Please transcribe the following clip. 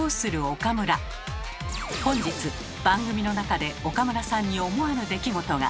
本日番組の中で岡村さんに思わぬ出来事が。